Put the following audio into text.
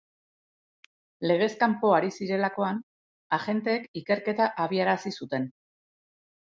Legez kanpo ari zirelakoan, agenteek ikerketa abiarazi zuten.